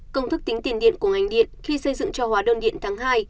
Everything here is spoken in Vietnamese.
công thức tính tiền điện của ngành điện khi xây dựng cho hóa đơn điện tháng hai